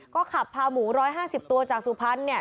ก็ขับพาหมู๑๕๐ตัวจากสุพรรณเนี่ย